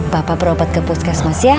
bapak berobat ke puskes masih